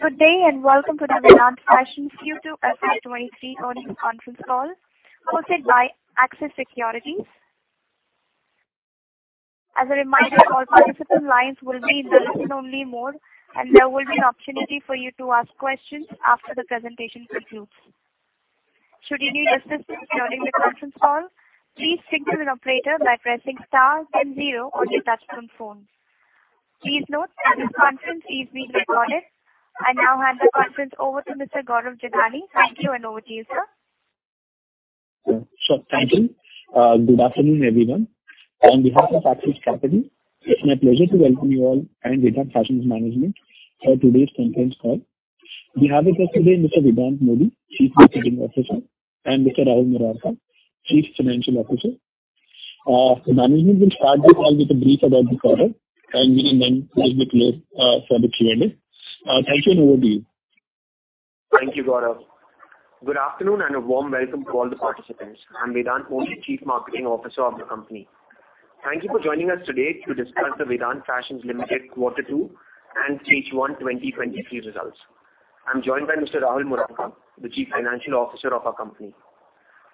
Good day, and welcome to the Vedant Fashions Q2 FY23 earnings conference call hosted by Axis Securities. As a reminder, all participant lines will be in listen only mode, and there will be an opportunity for you to ask questions after the presentation concludes. Should you need assistance during the conference call, please signal an operator by pressing star then zero on your touchtone phone. Please note that this conference is being recorded. I now hand the conference over to Mr. Gaurav Jogani. Thank you, and over to you, sir. Sure. Thank you. Good afternoon, everyone. On behalf of Axis Securities, it's my pleasure to welcome you all and Vedant Fashions management for today's conference call. We have with us today Mr. Vedant Modi, Chief Marketing Officer, and Mr. Rahul Murarka, Chief Financial Officer. The management will start with a brief about the quarter, and we will then leave the floor for the Q&A. Thank you, and over to you. Thank you, Gaurav. Good afternoon and a warm welcome to all the participants. I'm Vedant Modi, Chief Marketing Officer of the company. Thank you for joining us today to discuss the Vedant Fashions Limited Quarter Two and H1 2023 results. I'm joined by Mr. Rahul Murarka, the Chief Financial Officer of our company.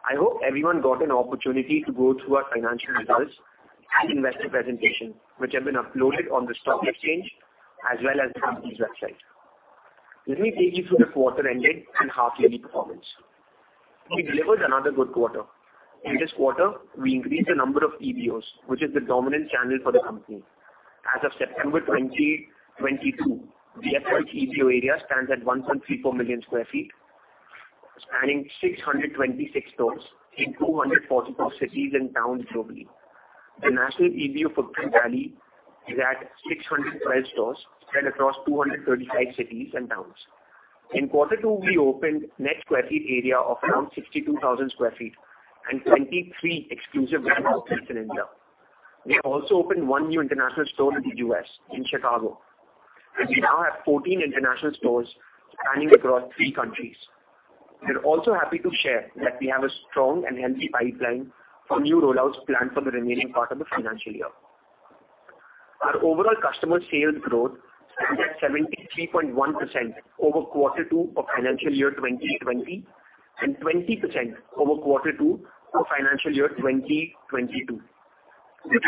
I hope everyone got an opportunity to go through our financial results and investor presentation, which have been uploaded on the stock exchange as well as the company's website. Let me take you through the quarter ending and half yearly performance. We delivered another good quarter. In this quarter, we increased the number of EBOs, which is the dominant channel for the company. As of September 2022, the EBO area stands at 1.34 million sq ft, spanning 626 stores in 244 cities and towns globally. The national EBO footprint validly is at 612 stores spread across 235 cities and towns. In quarter two, we opened net square feet area of around 62,000 sq ft and 23 exclusive brand outlets in India. We have also opened one new international store in the U.S., in Chicago, and we now have 14 international stores spanning across three countries. We're also happy to share that we have a strong and healthy pipeline for new rollouts planned for the remaining part of the financial year. Our overall customer sales growth ended at 73.1% over quarter two of financial year 2020 and 20% over quarter two of financial year 2022.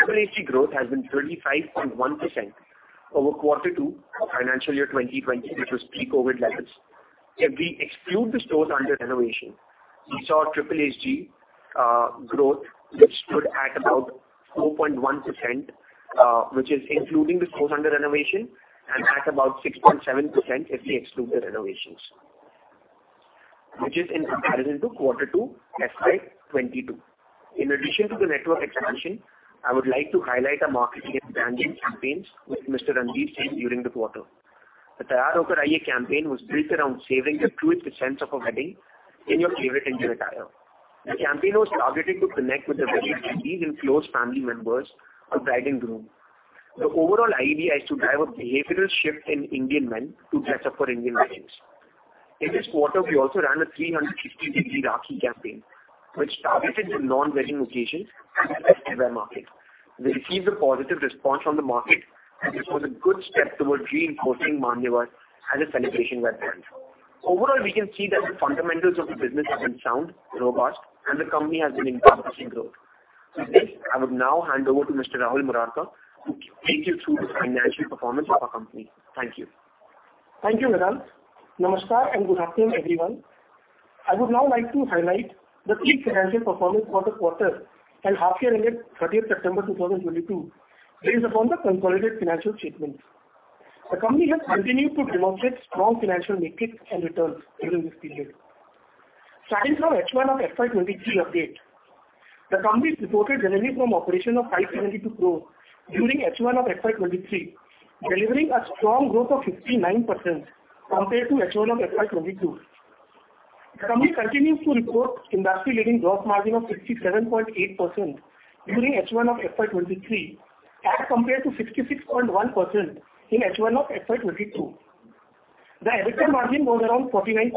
SSG growth has been 35.1% over quarter two of financial year 2020, which was pre-COVID levels. If we exclude the stores under renovation, we saw SSG growth, which stood at about 4.1%, which is including the stores under renovation and at about 6.7% if we exclude the renovations, which is in comparison to quarter two FY 2022. In addition to the network expansion, I would like to highlight our marketing and branding campaigns with Mr. Ranveer Singh during the quarter. The Taiyaar Hokar Aaiye campaign was built around savoring the truest sense of a wedding in your favorite Indian attire. The campaign was targeted to connect with the wedding attendees and close family members of bride and groom. The overall idea is to drive a behavioral shift in Indian men to dress up for Indian weddings. In this quarter, we also ran a 360-degree Rakhi campaign, which targeted the non-wedding occasions market. We received a positive response from the market, and this was a good step towards reinforcing Manyavar as a celebration wear brand. Overall, we can see that the fundamentals of the business have been sound, robust, and the company has been encompassing growth. With this, I would now hand over to Mr. Rahul Murarka, who will take you through the financial performance of our company. Thank you. Thank you, Vedant. Namaskar, and good afternoon, everyone. I would now like to highlight the key financial performance for the quarter and half year ended 30th September 2022, based upon the consolidated financial statements. The company has continued to demonstrate strong financial metrics and returns during this period. Starting from H1 of FY 2023 update, the company reported revenue from operations of 572 crore during H1 of FY 2023, delivering a strong growth of 59% compared to H1 of FY 2022. The company continues to report industry-leading gross margin of 67.8% during H1 of FY 2023 as compared to 66.1% in H1 of FY 2022. The EBITDA margin was around 49%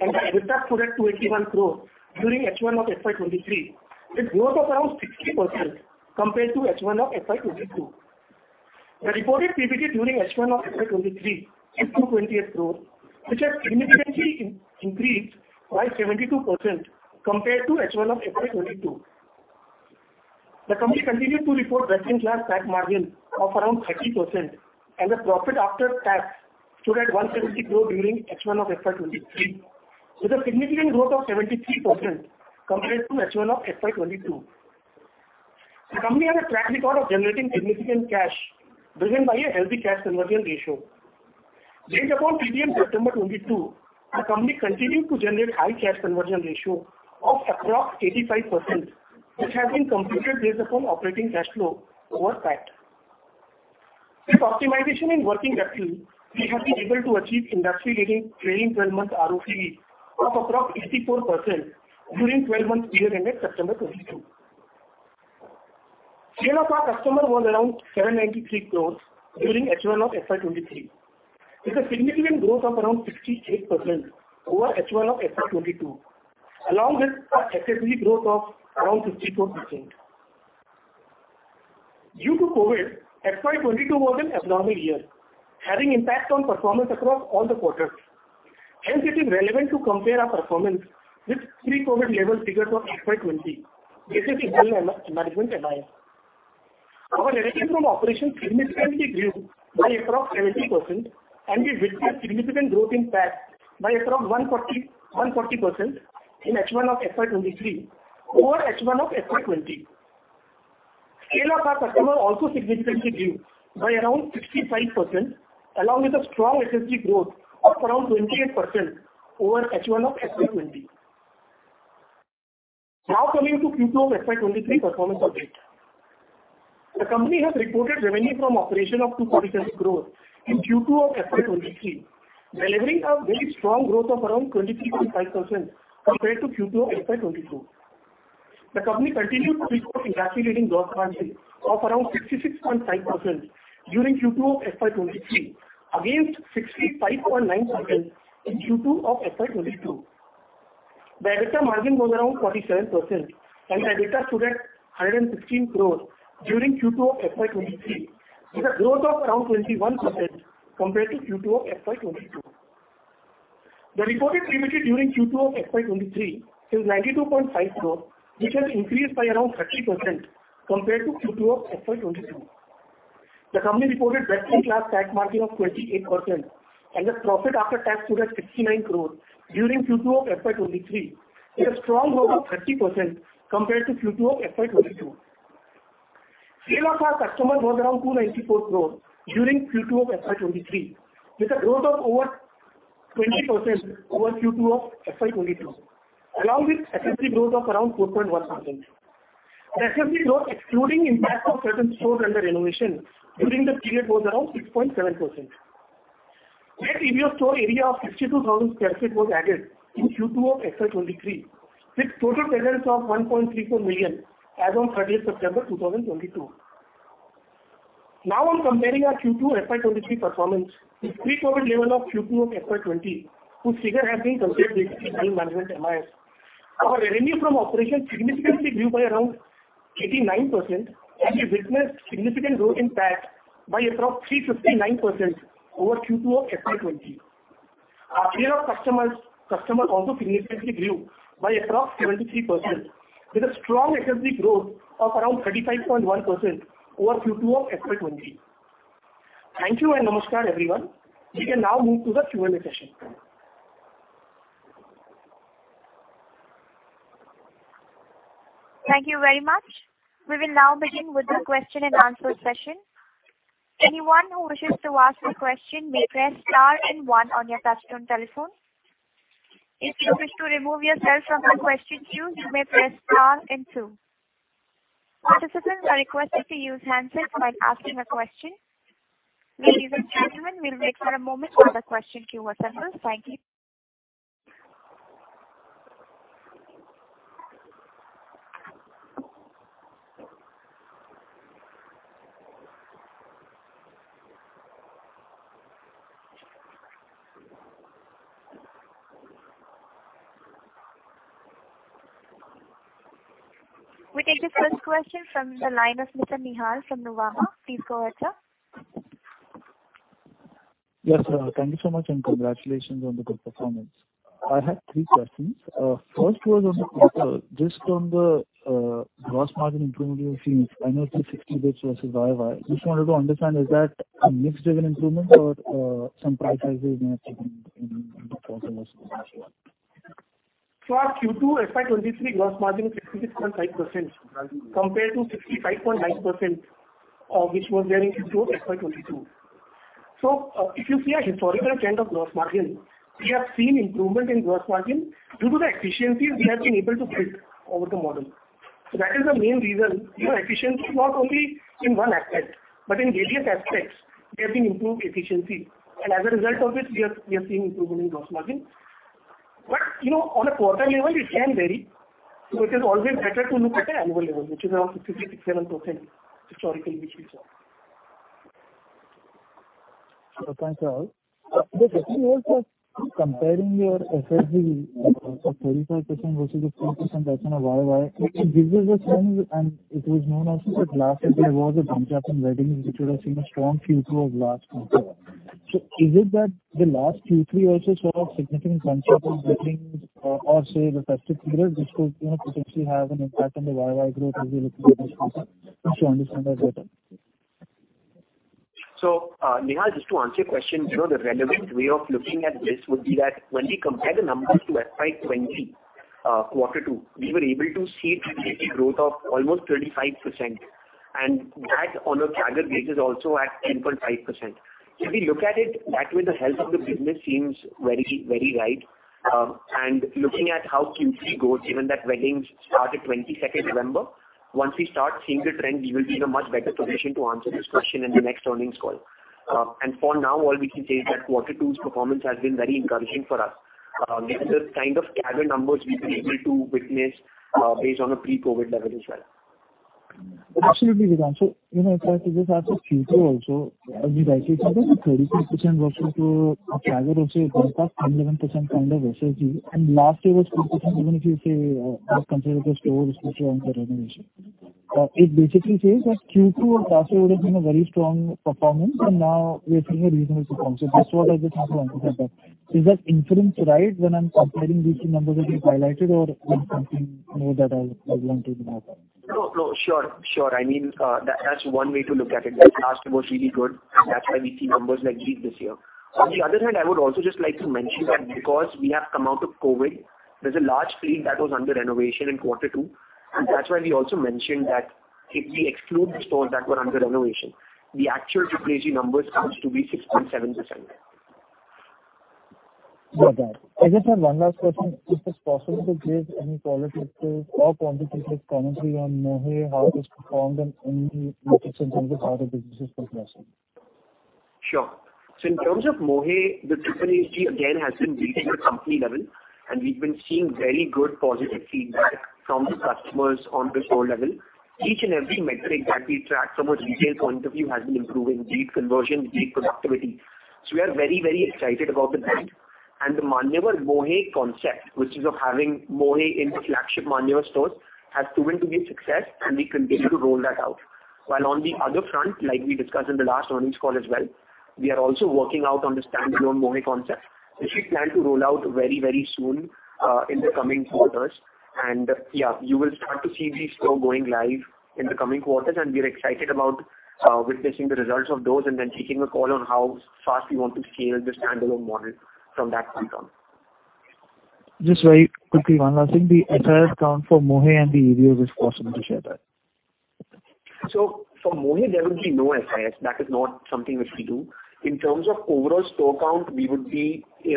and the EBITDA stood at 281 crore during H1 of FY 2023. It grows around 60% compared to H1 of FY 2022. The reported PBT during H1 of FY 2023 is 228 crore, which has significantly increased by 72% compared to H1 of FY 2022. The company continued to report best-in-class PAT margin of around 30% and the profit after tax stood at 170 crore during H1 of FY 2023, with a significant growth of 73% compared to H1 of FY 2022. The company has a track record of generating significant cash driven by a healthy cash conversion ratio. Based upon PBT September 2022, our company continued to generate high cash conversion ratio of approx 85%, which has been computed based upon operating cash flow over PAT. With optimization in working capital, we have been able to achieve industry-leading trailing twelve months RoCE of approx 84% during twelve-month period ended September 2022. Sales of our company was around 793 crore during H1 of FY 2023. It's a significant growth of around 68% over H1 of FY 2022, along with a SSG growth of around 54%. Due to COVID, FY 2022 was an abnormal year, having impact on performance across all the quarters. Hence, it is relevant to compare our performance with pre-COVID level figures of FY 2020, based on the management MIS. Our revenue from operations significantly grew by approx 70%, and we witnessed significant growth in PAT by approx 140% in H1 of FY 2023 over H1 of FY 2020. Sales to our customers also significantly grew by around 65%, along with a strong SSG growth of around 28% over H1 of FY 2020. Now coming to Q2 of FY 2023 performance update. The company has reported revenue from operation of 247 crore in Q2 of FY 2023, delivering a very strong growth of around 23.5% compared to Q2 of FY 2022. The company continued to report industry-leading gross margin of around 66.5% during Q2 of FY 2023 against 65.9% in Q2 of FY 2022. The EBITDA margin was around 47% and the EBITDA stood at 116 crore during Q2 of FY 2023, with a growth of around 21% compared to Q2 of FY 2022. The reported PBT during Q2 of FY 2023 is 92.5 crore, which has increased by around 30% compared to Q2 of FY 2022. The company reported PAT margin of 28% and the profit after tax stood at 69 crore during Q2 of FY 2023 with a strong growth of 30% compared to Q2 of FY 2022. Our sales was around 294 crore during Q2 of FY 2023, with a growth of over 20% over Q2 of FY 2022, along with SSG growth of around 4.1%. The SSG growth excluding impact of certain stores under renovation during the period was around 6.7%. Net store area of 62,000 sq ft was added in Q2 of FY 2023, with total presence of 1.34 million sq ft as on 30 September 2022. Now I'm comparing our Q2 FY 2023 performance with pre-COVID level of Q2 of FY 2020, whose figure has been considered based on management MIS. Our revenue from operations significantly grew by around 89%, and we witnessed significant growth in PAT by approximately 359% over Q2 of FY 2020. Our number of customers also significantly grew by approximately 73% with a strong SSG growth of around 35.1% over Q2 of FY 2020. Thank you and namaskar everyone. We can now move to the Q&A session. Thank you very much. We will now begin with the question and answer session. Anyone who wishes to ask a question may press star and one on your touchtone telephone. If you wish to remove yourself from the question queue, you may press star and two. Participants are requested to use handsets while asking a question. Ladies and gentlemen, we'll wait for a moment for the question queue to assemble. Thank you. We take the first question from the line of Mr. Nihal from Nuvama. Please go ahead, sir. Yes, thank you so much, and congratulations on the good performance. I have three questions. First was on the quarter, just on the gross margin improvement we have seen, annually 60 basis points versus YOY. Just wanted to understand, is that a mix-driven improvement or some price rises may have taken in the quarter mostly as well? Our Q2 FY23 gross margin is 66.5% compared to 65.9%, which was there in Q2 of FY22. If you see a historical trend of gross margin, we have seen improvement in gross margin due to the efficiencies we have been able to build over the model. That is the main reason. You know, efficiency is not only in one aspect, but in various aspects, we have been improving efficiency. As a result of it, we are seeing improvement in gross margin. You know, on a quarter level, it can vary. It is always better to look at the annual level, which is around 66%-67% historically, which we saw. Thanks, Rahul. The second was comparing your SSG of 35% versus the 4% that's on a YOY. It gives us a sense, and it was known also that last year there was a bumper crop in weddings, which would have seen a strong Q2 of last quarter. Is it that the last Q3 also saw a significant consumption weddings or say the festive period which could, you know, potentially have an impact on the YOY growth as we look at this quarter? Just to understand that better. Nihal, just to answer your question, you know, the relevant way of looking at this would be that when we compare the numbers to FY 2020, quarter two, we were able to see SSG growth of almost 35%. That on a CAGR basis also at 10.5%. If we look at it that way, the health of the business seems very, very right. Looking at how Q3 goes, given that weddings start at 22nd November, once we start seeing the trend, we will be in a much better position to answer this question in the next earnings call. For now, all we can say is that quarter two's performance has been very encouraging for us. These are the kind of CAGR numbers we've been able to witness, based on a pre-COVID level as well. Absolutely, Vedant. You know, as I said, as of Q2 also, as you rightly said that 35% versus the CAGR also jumps up 10, 11% kind of SSG, and last year was 4% even if you say, you consider the stores which were under renovation. It basically says that Q2 and last year would have been a very strong performance, and now we're seeing a reasonable sequential. Just what I just want to understand that is that inference right when I'm comparing these two numbers that you've highlighted, or there's something more that I want to map out. No. Sure. I mean, that's one way to look at it, right? Last year was really good, and that's why we see numbers like these this year. On the other hand, I would also just like to mention that because we have come out of COVID, there's a large fleet that was under renovation in quarter two, and that's why we also mentioned that if we exclude the stores that were under renovation, the actual SSG numbers comes to be 6.7%. Not bad. I just have one last question. Is this possible to give any qualitative or quantitative commentary on Mohey, how it has performed and any metrics in terms of how the business is progressing? Sure. In terms of Mohey, the SSSG again has been reached at a company level, and we've been seeing very good positive feedback from the customers on the store level. Each and every metric that we track from a retail point of view has been improving, lead conversion, lead productivity. We are very, very excited about the brand. The Manyavar Mohey concept, which is of having Mohey in the flagship Manyavar stores, has proven to be a success and we continue to roll that out. While on the other front, like we discussed in the last earnings call as well, we are also working out on the standalone Mohey concept, which we plan to roll out very, very soon, in the coming quarters. Yeah, you will start to see these stores going live in the coming quarters, and we are excited about witnessing the results of those and then taking a call on how fast we want to scale the standalone model from that point on. Just very quickly, one last thing, the entire count for Mohey and the areas if possible to share that. For Mohey, there will be no SIS. That is not something which we do. In terms of overall store count, we would be in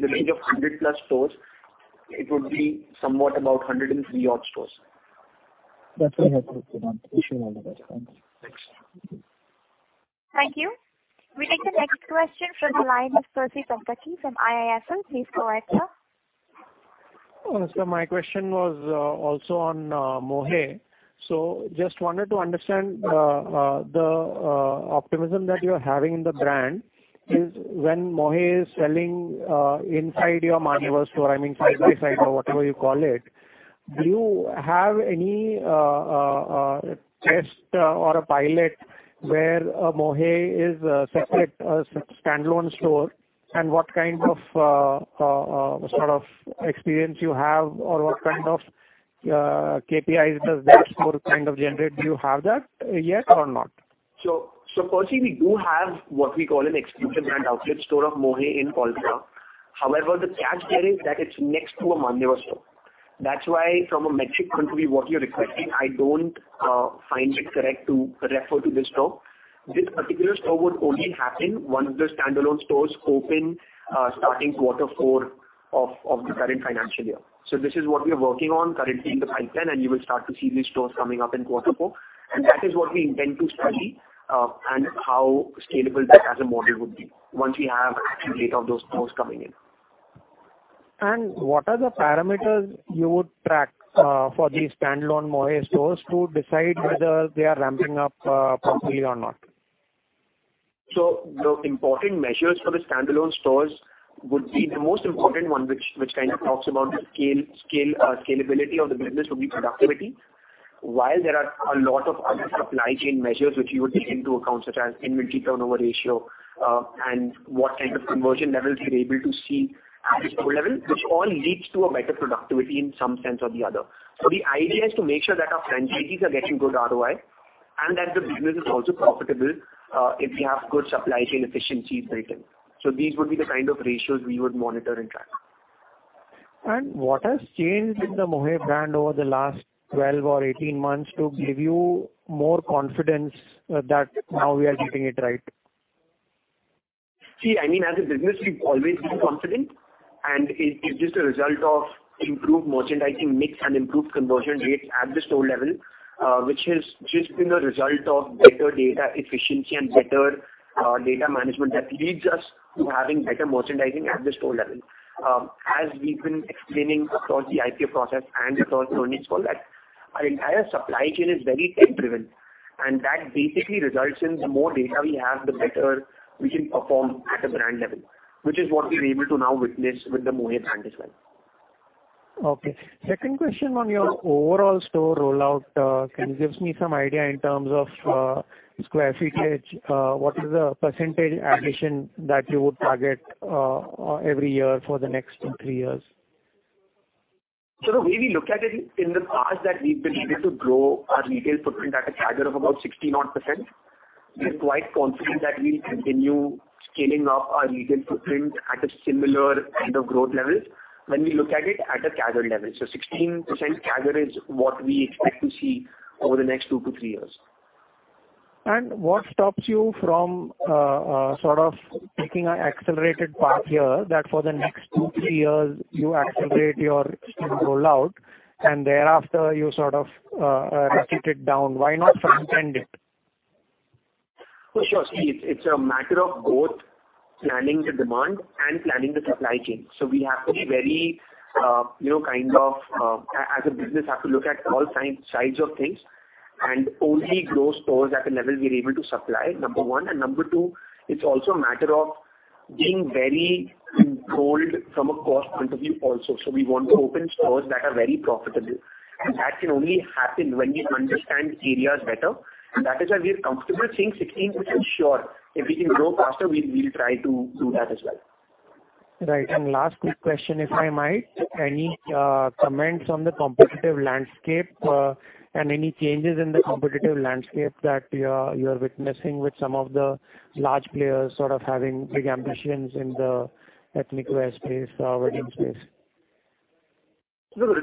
the range of 100+ stores. It would be somewhat about 103 odd stores. That's very helpful, Vedant. Wish you all the best. Thanks. Thanks. Thank you. We take the next question from the line of Percy Panthaki from IIFL. Please go ahead, sir. My question was, also on Mohey. Just wanted to understand, the optimism that you're having in the brand is when Mohey is selling, inside your Manyavar store, I mean, side by side or whatever you call it, do you have any, test or a pilot where, Mohey is a separate, standalone store and what kind of, sort of experience you have or what kind of, KPIs does that store kind of generate? Do you have that yet or not? Percy, we do have what we call an exclusive brand outlet store of Mohey in Kolkata. However, the catch here is that it's next to a Manyavar store. That's why from a metric point of view, what you're requesting, I don't find it correct to refer to this store. This particular store would only happen once the standalone stores open, starting quarter four of the current financial year. This is what we are working on currently in the pipeline, and you will start to see these stores coming up in quarter four. That is what we intend to study, and how scalable that as a model would be once we have actual data of those stores coming in. What are the parameters you would track for these standalone Mohey stores to decide whether they are ramping up properly or not? The important measures for the standalone stores would be the most important one which kind of talks about the scale, scalability of the business would be productivity. While there are a lot of other supply chain measures which you would take into account, such as inventory turnover ratio, and what kind of conversion levels we're able to see at the store level, which all leads to a better productivity in some sense or the other. The idea is to make sure that our franchisees are getting good ROI and that the business is also profitable, if we have good supply chain efficiencies built in. These would be the kind of ratios we would monitor and track. What has changed in the Mohey brand over the last 12 or 18 months to give you more confidence that now we are getting it right? See, I mean, as a business, we've always been confident, and it is just a result of improved merchandising mix and improved conversion rates at the store level, which has just been a result of better data efficiency and better, data management that leads us to having better merchandising at the store level. As we've been explaining across the IPO process and across earnings call that our entire supply chain is very tech-driven, and that basically results in the more data we have, the better we can perform at a brand level, which is what we're able to now witness with the Mohey brand as well. Okay. Second question on your overall store rollout, can you give me some idea in terms of square footage? What is the percentage addition that you would target every year for the next two, three years? The way we look at it, in the past that we've been able to grow our retail footprint at a CAGR of about 16 odd percent, we're quite confident that we'll continue scaling up our retail footprint at a similar kind of growth level when we look at it at a CAGR level. 16% CAGR is what we expect to see over the next 2 to 3 years. What stops you from, sort of taking an accelerated path here that for the next two, three years you accelerate your store rollout and thereafter you sort of, recede it down? Why not front end it? For sure. See, it's a matter of both planning the demand and planning the supply chain. We have to be very, you know, kind of, as a business, have to look at all sides of things and only grow stores at a level we're able to supply, number one. Number two, it's also a matter of being very controlled from a cost point of view also. We want to open stores that are very profitable, and that can only happen when we understand areas better. That is why we are comfortable seeing 16, which we're sure if we can grow faster, we'll try to do that as well. Right. Last quick question, if I might. Any comments on the competitive landscape, and any changes in the competitive landscape that you're witnessing with some of the large players sort of having big ambitions in the ethnic wear space, wedding space? No.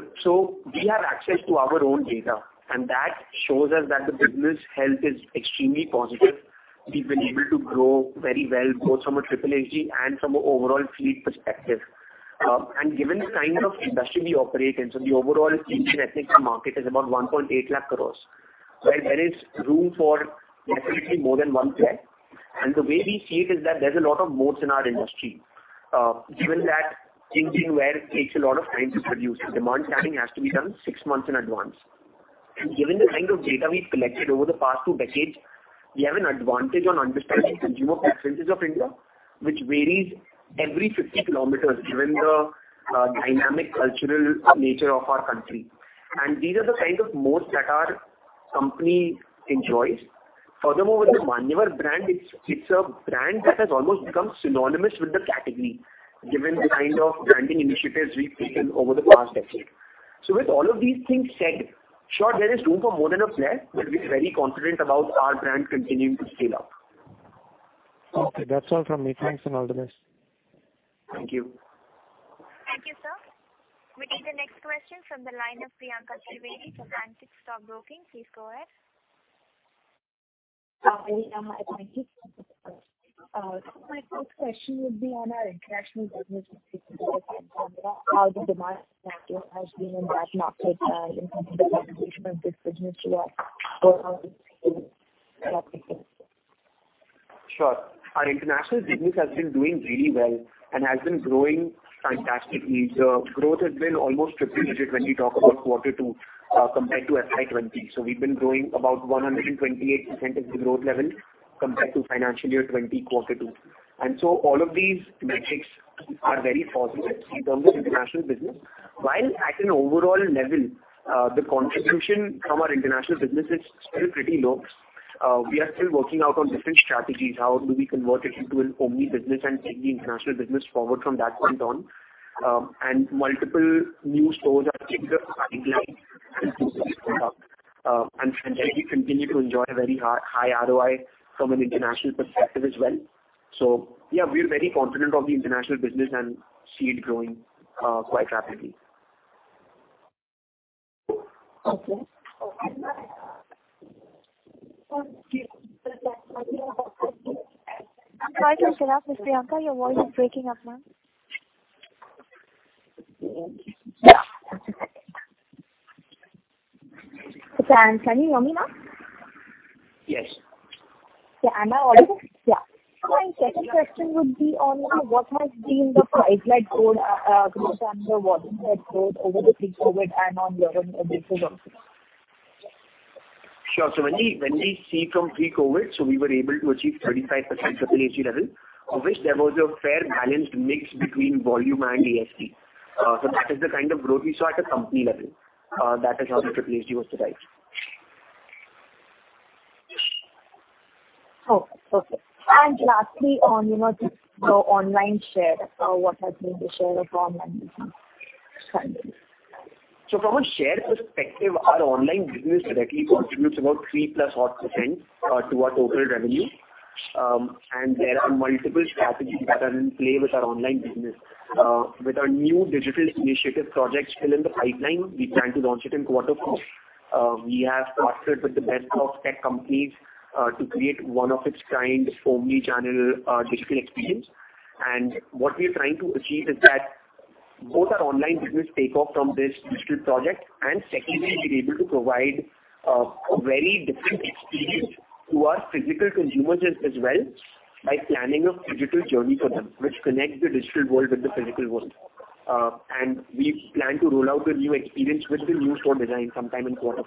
We have access to our own data, and that shows us that the business health is extremely positive. We've been able to grow very well, both from a CAGR and from an overall fleet perspective. Given the kind of industry we operate in, the overall Indian ethnic wear market is about 1.8 lakh crores, right? There is room for definitely more than one player. The way we see it is that there's a lot of moats in our industry. Given that Indian wear takes a lot of time to produce, demand planning has to be done six months in advance. Given the kind of data we've collected over the past two decades, we have an advantage on understanding consumer preferences of India, which varies every 50 kilometers, given the dynamic cultural nature of our country. These are the kinds of moats that our company enjoys. Furthermore, with the Manyavar brand, it's a brand that has almost become synonymous with the category, given the kind of branding initiatives we've taken over the past decade. With all of these things said, sure, there is room for more than a player, but we're very confident about our brand continuing to scale up. Okay. That's all from me. Thanks, and all the best. Thank you. Thank you, sir. We take the next question from the line of Priyanka Trivedi from Antique Stock Broking. Please go ahead. Hi. Thank you. My first question would be on our international business, how the demand has been in that market, and in terms of the contribution of this business to our overall Sure. Our international business has been doing really well and has been growing fantastically. The growth has been almost triple digit when we talk about quarter two compared to FY 2020. We've been growing about 128% as the growth level compared to financial year 2020 quarter two. All of these metrics are very positive in terms of international business. While at an overall level, the contribution from our international business is still pretty low. We are still working out on different strategies, how do we convert it into an omnichannel business and take the international business forward from that point on. Multiple new stores are in the pipeline to boost this build up. Financially continue to enjoy a very high, high ROI from an international perspective as well. Yeah, we are very confident of the international business and see it growing quite rapidly. Okay. Sorry to interrupt, Priyanka. Your voice is breaking up, ma'am. Yeah. Can you hear me now? Yes. Am I audible? Yeah. My second question would be on what has been the price-led growth driver, volume-led growth over the pre-COVID and on a year-on-year basis also. Sure. When we see from pre-COVID, we were able to achieve 35% CAGR, of which there was a fair balanced mix between volume and ASP. That is the kind of growth we saw at a company level. That is how the CAGR was derived. Oh, okay. Lastly on, you know, just the online share, what has been the share of online business currently? From a share perspective, our online business directly contributes about 3% or so to our total revenue. There are multiple strategies that are in play with our online business. With our new digital initiative project still in the pipeline, we plan to launch it in quarter four. We have partnered with the best of tech companies to create one of a kind omnichannel digital experience. What we are trying to achieve is that both our online business take off from this digital project, and secondly, we'll be able to provide a very different experience to our physical consumers as well by planning a phygital journey for them, which connects the digital world with the physical world. We plan to roll out the new experience with the new store design sometime in quarter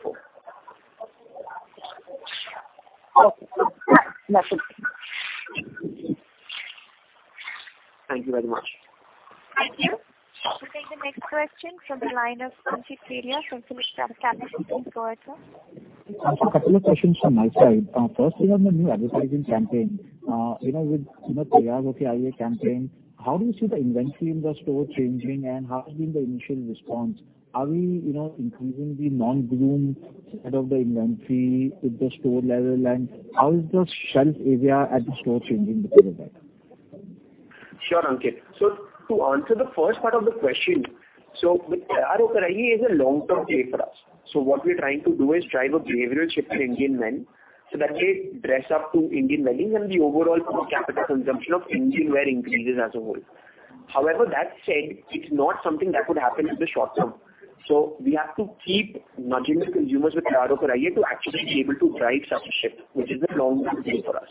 four. Okay. That's it. Thank you very much. Thank you. We take the next question from the line of Ankit Kedia from PhillipCapital. Please go ahead, sir. A couple of questions from my side. First thing on the new advertising campaign, you know, with, you know, Taiyaar Hokar Aaiye campaign, how do you see the inventory in the store changing, and how has been the initial response? Are we, you know, increasing the non-Manyavar side of the inventory at the store level? How is the shelf area at the store changing because of that? Sure, Ankit. To answer the first part of the question, with Taiyaar Hokar Aaiye is a long-term play for us. What we're trying to do is drive a behavioral shift in Indian men so that they dress up to Indian weddings and the overall per capita consumption of Indian wear increases as a whole. However, that said, it's not something that would happen in the short term. We have to keep nudging the consumers with Taiyaar Hokar Aaiye to actually be able to drive such a shift, which is a long-term play for us.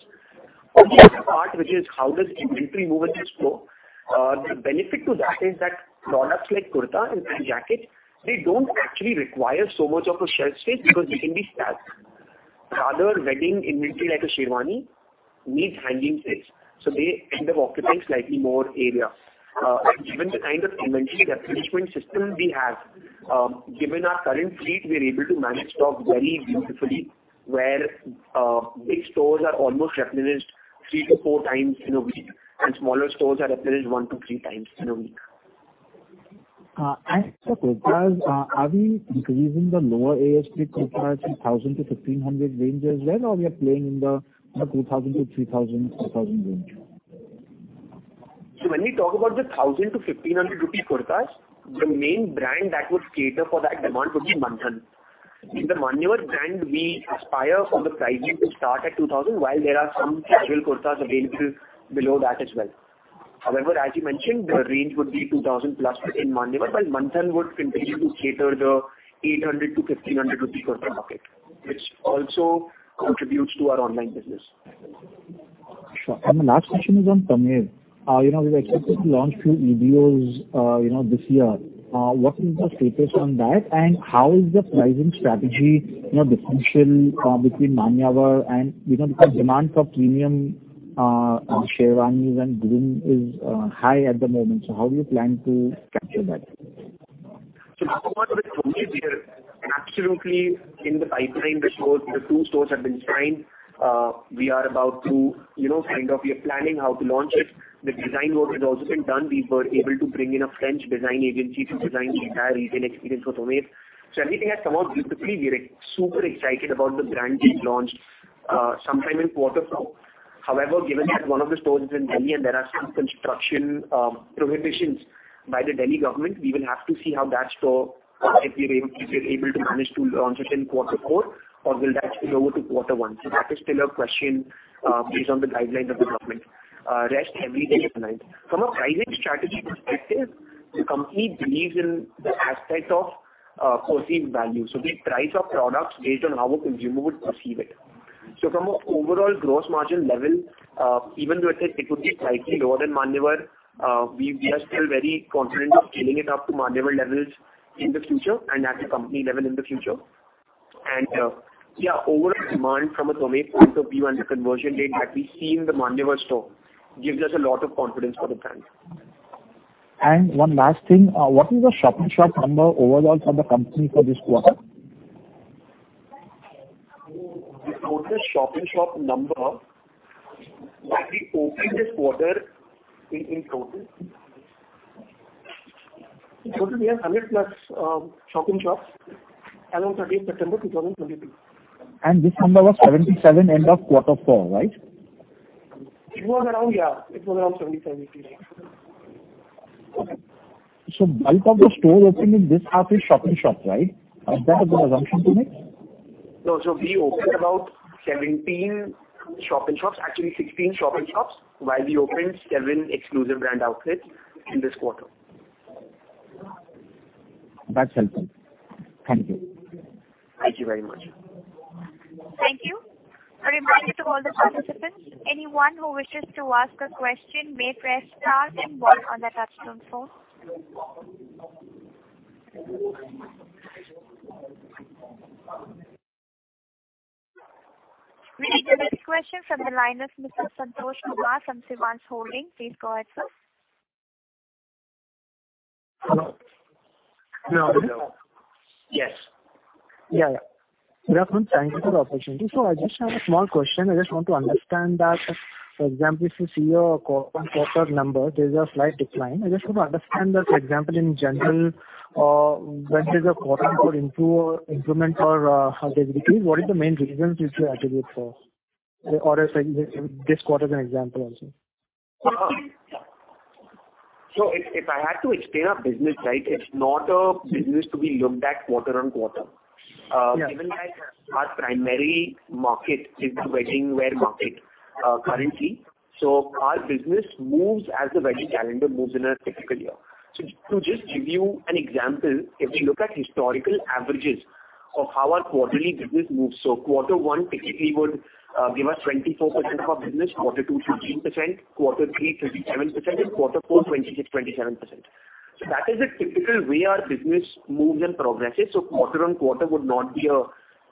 On the other part, which is how does inventory move in the store? The benefit to that is that products like kurta and jacket, they don't actually require so much of a shelf space because they can be stacked. Rather wedding inventory like a sherwani needs hanging space, so they end up occupying slightly more area. Given the kind of inventory replenishment system we have, given our current fleet, we are able to manage stock very beautifully where big stores are almost replenished 3-4 times in a week and smaller stores are replenished 1-3 times in a week. The kurtas, are we increasing the lower ASP kurtas from 1,000-1,500 range as well or we are playing in the 2,000-3,000, 4,000 range? When we talk about the 1,000-1,500 rupee kurtas, the main brand that would cater for that demand would be Manthan. In the Manyavar brand, we aspire for the pricing to start at 2,000 while there are some casual kurtas available below that as well. However, as you mentioned, the range would be 2,000+ within Manyavar while Manthan would continue to cater the 800-1,500 rupee kurta market which also contributes to our online business. Sure. The last question is on Twamev. You know, we were expected to launch 2 EBOs, you know, this year. What is the status on that and how is the pricing strategy, you know, differential between Manyavar and Twamev, you know, because demand for premium sherwanis for grooms is high at the moment. How do you plan to capture that? Talking about the Twamev here, absolutely in the pipeline the stores, the two stores have been signed. We are about to, you know, kind of we are planning how to launch it. The design work has also been done. We were able to bring in a French design agency to design the entire retail experience for Twamev. Everything has come out beautifully. We are extremely super excited about the brand being launched sometime in quarter four. However, given that one of the stores is in Delhi and there are some construction prohibitions by the Delhi government, we will have to see how that store, if we're able to manage to launch it in quarter four or will that spill over to quarter one. That is still a question based on the guidelines of the government. Rest everything is aligned. From a pricing strategy perspective, the company believes in the aspect of perceived value. We price our products based on how a consumer would perceive it. From an overall gross margin level, even though it is, it would be slightly lower than Manyavar, we are still very confident of scaling it up to Manyavar levels in the future and at a company level in the future. Yeah, overall demand from a Twamev point of view and the conversion rate that we see in the Manyavar store gives us a lot of confidence for the brand. One last thing, what is the shop-in-shop number overall for the company for this quarter? The total shop-in-shop number that we opened this quarter in total. In total we have 100+ shop-in-shops as on 13th September 2022. This number was 77 end of quarter four, right? It was around 77, 80. Okay. Bulk of the store opening this half is shop-in-shops, right? Is that a good assumption to make? No. We opened about 17 shop-in-shops. Actually 16 shop-in-shops while we opened 7 exclusive brand outlets in this quarter. That's helpful. Thank you. Thank you very much. Thank you. A reminder to all the participants, anyone who wishes to ask a question may press star then one on their touchtone phone. We take the next question from the line of Mr. Santosh Kumar from Shivansh Holding. Please go ahead, sir. Hello. No. Yes. Yeah. Rahul, thank you for the opportunity. I just have a small question. I just want to understand that, for example, if you see your quarter number there's a slight decline. I just want to understand that, for example, in general, when there's a quarter or improvement or decrease, what is the main reasons which you attribute for? This quarter as an example also. If I had to explain our business, right, it's not a business to be looked at quarter-over-quarter. Given that our primary market is the wedding wear market, currently, our business moves as the wedding calendar moves in a typical year. To just give you an example, if you look at historical averages of how our quarterly business moves. Quarter one typically would give us 24% of our business, quarter two, 13%, quarter three, 37%, and quarter four, 20%-27%. That is a typical way our business moves and progresses. Quarter-over-quarter would not be a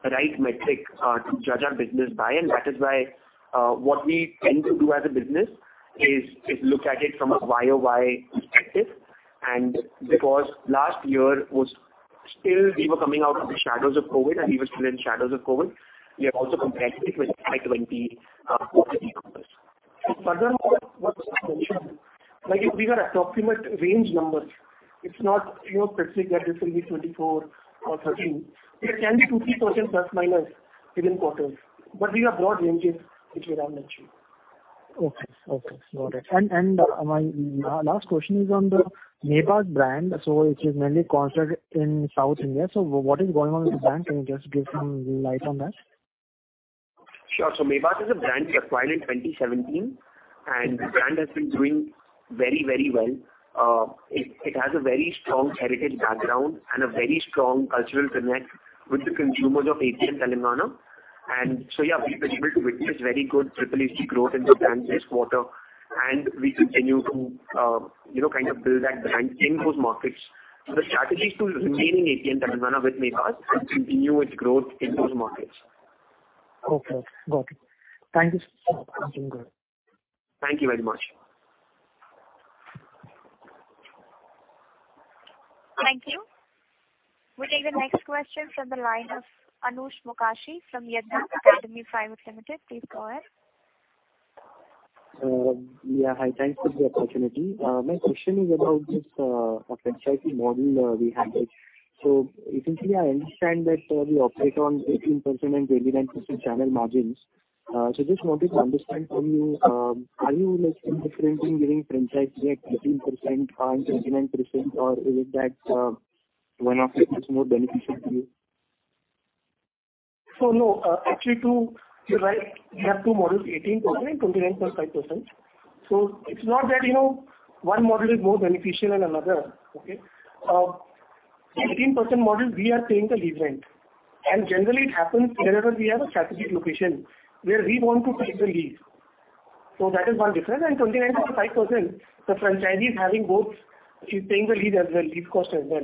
right metric to judge our business by and that is why what we tend to do as a business is look at it from a YOY perspective. Because last year was still we were coming out of the shadows of COVID, and we were still in shadows of COVID, we are also compared it with FY 2020 Q3 numbers. Furthermore like if we have approximate range numbers it's not, you know, specific that this will be 24 or 13. It can be 2, 3% ± within quarters. But these are broad ranges which we have mentioned. Okay. Okay, got it. My last question is on the Mebaz brand. Which is mainly concentrated in South India. What is going on with the brand? Can you just give some light on that? Sure. Mebaz is a brand we acquired in 2017, and the brand has been doing very, very well. It has a very strong heritage background and a very strong cultural connect with the consumers of AP and Telangana. Yeah, we've been able to witness very good SSG growth in the brand this quarter. We continue to build that brand in those markets. The strategy is to remain in ATM, that is, own Mebaz, and continue its growth in those markets. Okay. Got it. Thank you, sir. Have a good day. Thank you very much. Thank you. We'll take the next question from the line of Anush Mokashi from Yadnya Academy Private Limited. Please go ahead. Yeah, hi. Thanks for the opportunity. My question is about the franchising model we have. Essentially, I understand that we operate on 18% and 29% channel margins. Just wanted to understand from you, are you like differentiating giving franchise that 18% and 29% or is it that one of it is more beneficial to you? No, actually two. You're right, we have two models, 18% and 29.5%. It's not that, you know, one model is more beneficial than another. Okay? 18% model, we are paying the lease rent. Generally it happens wherever we have a strategic location where we want to take the lease. That is one difference. 29.5%, the franchisee is having both. He's paying the lease as well, lease cost as well.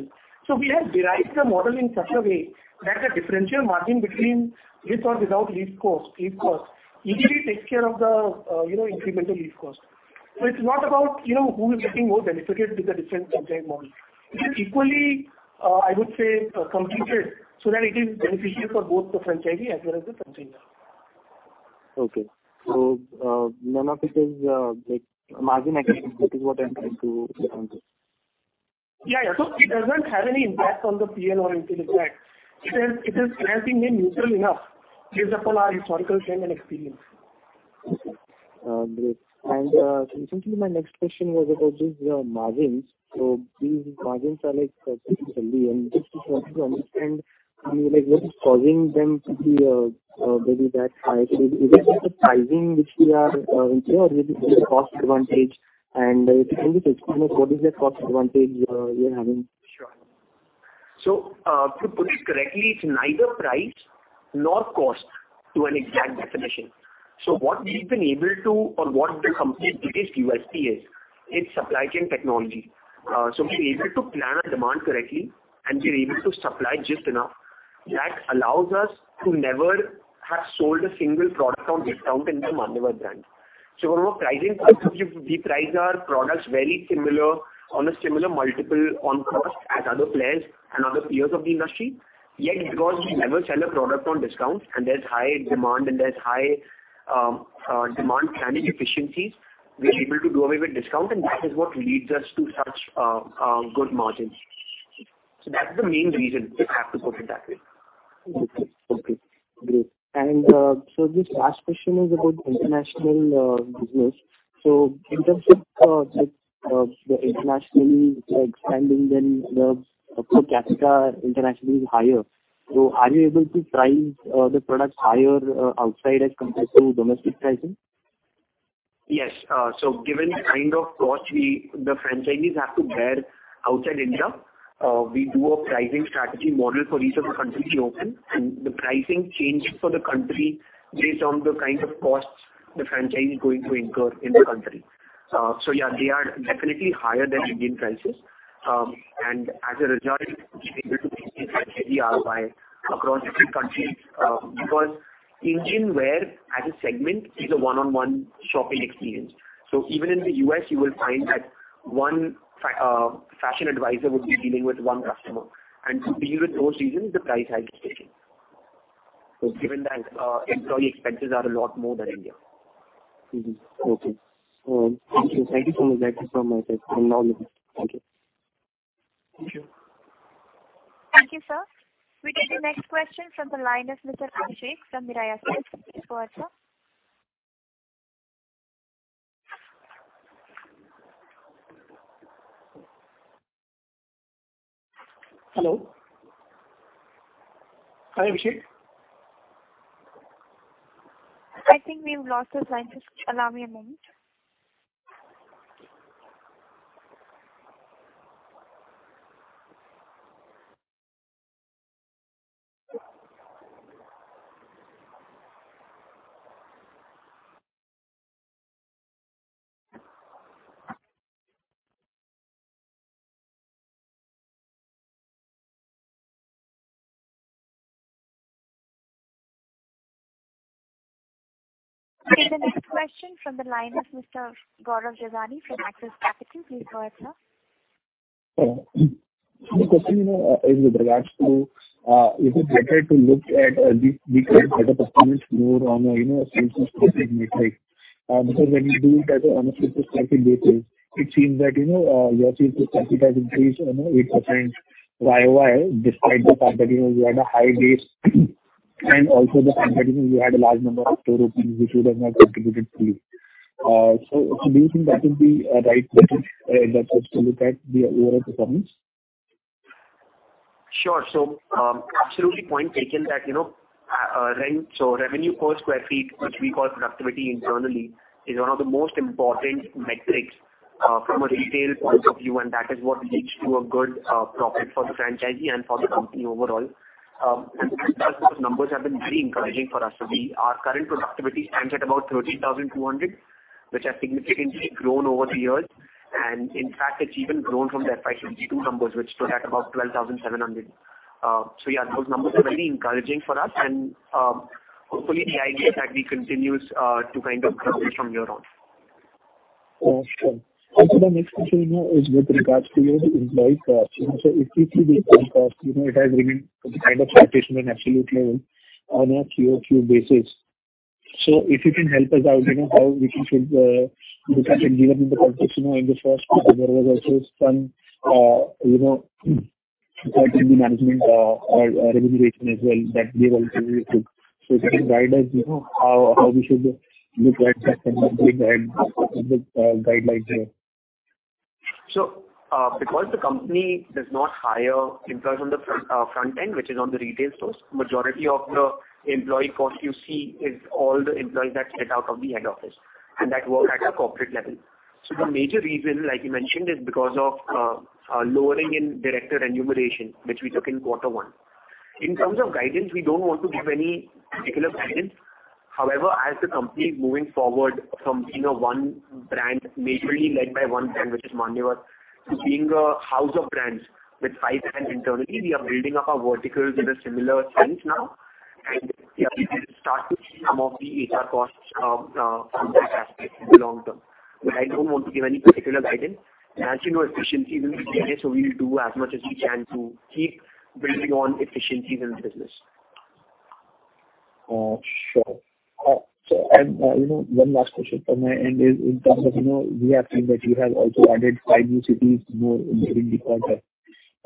We have derived the model in such a way that the differential margin between with or without lease cost easily takes care of the, you know, incremental lease cost. It's not about, you know, who is getting more benefited with the different franchise model. It is equally, I would say, completed so that it is beneficial for both the franchisee as well as the franchisor. None of it is, like, margin negative, that is what I'm trying to get onto. Yeah, yeah. It doesn't have any impact on the P&L or anything like that. It has balanced it neutral enough based upon our historical trend and experience. Okay. Great. Essentially my next question was about these margins. These margins are like particularly, and just to sort of understand from you, like what is causing them to be, maybe that high? Is it just the pricing which we are seeing or maybe there's a cost advantage? If you can just explain us what is that cost advantage we are having? Sure. To put it correctly, it's neither price nor cost to an exact definition. What the company's biggest USP is, it's supply chain technology. We're able to plan our demand correctly and we're able to supply just enough. That allows us to never have sold a single product on discount in the Manyavar brand. From a pricing perspective, we price our products very similar on a similar multiple on cost as other players and other peers of the industry. Yet because we never sell a product on discount and there's high demand and there's high demand planning efficiencies, we're able to do away with discount and that is what leads us to such good margins. That's the main reason if I have to put it that way. Okay. Okay, great. This last question is about international business. In terms of, like, the internationally expanding and the capital internationally is higher, so are you able to price the products higher outside as compared to domestic pricing? Yes. Given the kind of cost we, the franchisees have to bear outside India, we do a pricing strategy model for each of the countries we open, and the pricing changes for the country based on the kind of costs the franchisee is going to incur in the country. Yeah, they are definitely higher than Indian prices. As a result, we've been able to increase our ROI across different countries, because ethnic wear as a segment is a one-on-one shopping experience. Even in the U.S. you will find that one fashion advisor would be dealing with one customer. To deal with those reasons, the price has to be taken. Given that, employee expenses are a lot more than India. Okay. Thank you. Thank you so much. That is all from my side. Thank you. Thank you. Thank you, sir. We take the next question from the line of Mr. Abhishek from Mirae Asset. Please go ahead, sir. Hello. Hi, Abhishek. I think we've lost the line. Just allow me a moment. We take the next question from the line of Mr. Gaurav Jogani from Axis Capital. Please go ahead, sir. Hello. My question, you know, is with regards to is it better to look at the kind of better performance more on a, you know, a sales per sq ft metric? Because when you do that on a sales per sq ft basis, it seems that, you know, your sales per sq ft has increased, you know, 8% YOY, despite the fact that, you know, you had a high base and also the fact that, you know, you had a large number of store openings which would have not contributed fully. Do you think that would be right method that's to look at the overall performance? Sure. Absolutely point taken that, you know, rent, so revenue per sq ft, which we call productivity internally, is one of the most important metrics from a retail point of view, and that is what leads to a good profit for the franchisee and for the company overall. Those numbers have been very encouraging for us. Our current productivity stands at about 13,200, which has significantly grown over the years. In fact, it's even grown from the FY 2022 numbers, which stood at about 12,700. Yeah, those numbers are very encouraging for us. Hopefully, the idea is that we continue to kind of grow this from here on. Awesome. Also the next question, you know, is with regards to your employee costs. If you see the employee cost, you know, it has remained kind of flatish in an absolute level on a QoQ basis. If you can help us out, you know, how we should look at it given the context, you know, in the first quarter there was also some, you know, cut in the management remuneration as well that we were able to. If you can guide us, you know, how we should look at that and what is the guideline there. Because the company does not hire employees on the front end, which is on the retail stores, majority of the employee cost you see is all the employees that sit out of the head office and that work at a corporate level. The major reason, like you mentioned, is because of lowering in director remuneration, which we took in quarter one. In terms of guidance, we don't want to give any particular guidance. However, as the company is moving forward from being a one brand, majorly led by one brand, which is Manyavar, to being a house of brands with five brands internally, we are building up our verticals in a similar sense now. Yeah, we will start to see some of the HR costs from that aspect in the long term. I don't want to give any particular guidance. As you know, efficiency will be the key, so we will do as much as we can to keep building on efficiencies in the business. Sure. You know, one last question from my end is in terms of, you know, we have seen that you have also added five new cities, you know, during the quarter.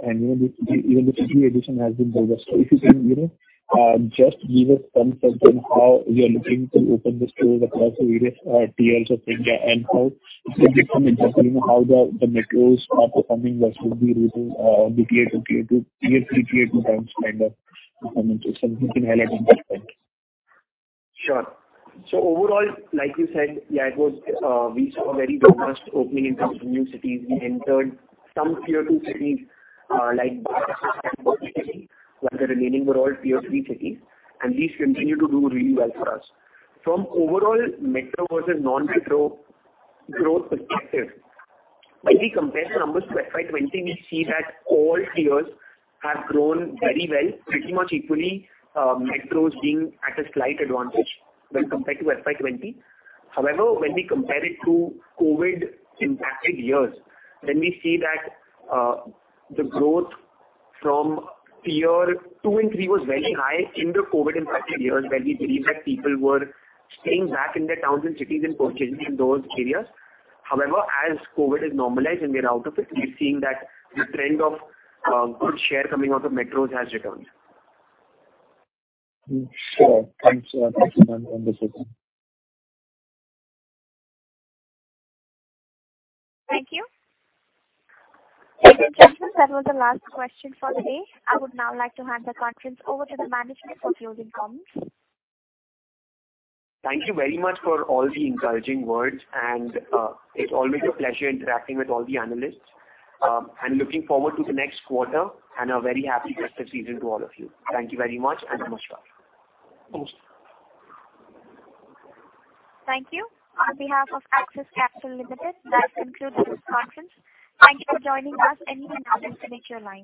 You know, even the city addition has been robust. If you can, you know, just give us some sense on how you are looking to open the stores across the various Tiers of India and how it will become interesting, you know, how the metros are performing versus the rural Tier 2, Tier 3, Tier 2 towns kind of coming to some. If you can highlight on that front. Sure. Overall, like you said, yeah, it was. We saw a very robust opening in terms of new cities. We entered some Tier 2 cities, like Bangalore and Kolkata, while the remaining were all Tier 3 cities, and these continue to do really well for us. From overall metro versus non-metro growth perspective, when we compare the numbers to FY 2020, we see that all tiers have grown very well, pretty much equally, metros being at a slight advantage when compared to FY 2020. However, when we compare it to COVID impacted years, then we see that the growth from Tier 2 and 3 was very high in the COVID impacted years, where we believe that people were staying back in their towns and cities and purchasing in those areas. However, as COVID is normalizing, we are out of it. We're seeing that the trend of good share coming out of metros has returned. Sure. Thanks. Thank you, ma'am. Understood. Thank you. Ladies and gentlemen, that was the last question for the day. I would now like to hand the conference over to the management for closing comments. Thank you very much for all the encouraging words and it's always a pleasure interacting with all the analysts. I'm looking forward to the next quarter and a very happy festive season to all of you. Thank you very much and Namaskar. Thank you. On behalf of Axis Capital Limited, that concludes this conference. Thank you for joining us and you may now disconnect your lines.